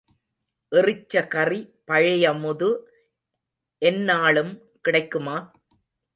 எறிச்ச கறி பழையமுது எந்நாளும் கிடைக்குமா?